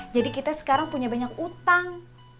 jadi kita sekarang punya banyak utang